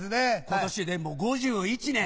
今年でもう５１年。